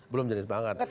belum jenis pangan